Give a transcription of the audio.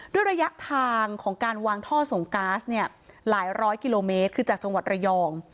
ด้วยระยะทางของการวางท่อส่งก๊าซเนี่ยหลายร้อยกิโลเมตรคือจากจังหวัดระยอง